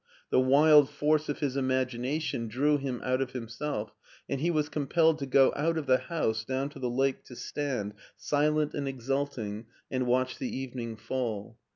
The wild force of his imagination drew him out of himself, and he was compelled to go out of the house down to the lake to stand, silent and exulting, and watch the evening fall.